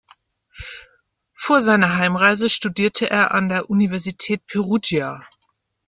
Vor seiner Heimreise studierte er an der Universität Perugia.